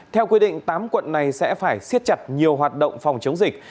theo quy định tám quận này sẽ phải siết chặt nhiều hoạt động phòng chống dịch